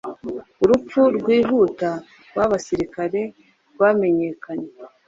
Urupfu-rwihuta rwabasirikare rwamenyekanye